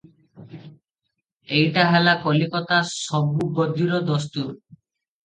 ଏଇଟା ହେଲା କଲିକତା ସବୁ ଗଦିର ଦସ୍ତୁର ।